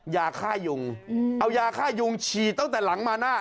ยาฆ่ายุงเอายาฆ่ายุงฉีดตั้งแต่หลังมาหน้า